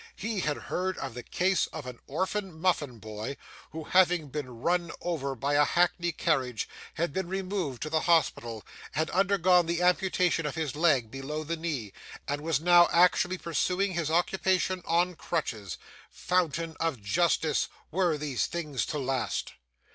He had heard of the case of an orphan muffin boy, who, having been run over by a hackney carriage, had been removed to the hospital, had undergone the amputation of his leg below the knee, and was now actually pursuing his occupation on crutches. Fountain of justice, were these things to last!